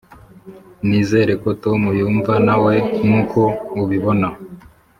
nizere ko tom yumva nawe nkuko ubibona